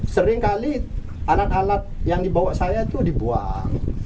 seringkali alat alat yang dibawa saya itu dibuang